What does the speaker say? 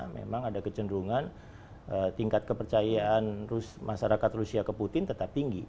memang ada kecenderungan tingkat kepercayaan masyarakat rusia ke putin tetap tinggi